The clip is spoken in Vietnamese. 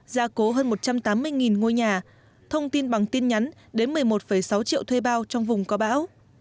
gia cố hơn một trăm tám mươi ngôi nhà thông tin bằng tin nhắn đến một mươi một sáu triệu thuê bao trong vùng có bão